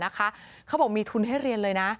เขาบอกมีทุนให้เรียนเลยนะ